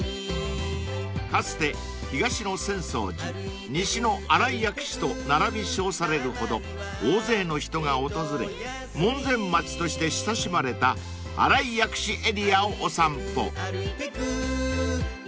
［かつて東の浅草寺西の新井薬師と並び称されるほど大勢の人が訪れ門前町として親しまれた新井薬師エリアをお散歩］